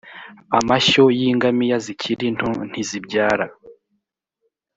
amashyo y ingamiya zikiri nto ntizibyara